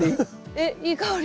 えっいい香り。